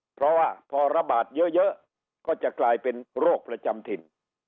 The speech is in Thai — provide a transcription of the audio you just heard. เพราะว่าพอระบาดเยอะก็จะกลายเป็นโรคประจำถิ่น